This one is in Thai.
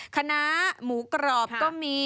คณะหมูกรอบก็มี